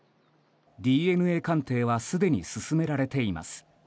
ＤＮＡ鑑定は既に進められています。